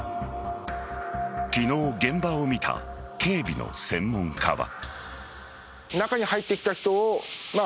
昨日、現場を見た警備の専門家は。